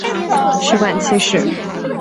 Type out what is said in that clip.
食管憩室。